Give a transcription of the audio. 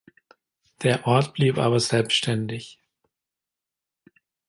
Der Ort blieb aber selbstständig.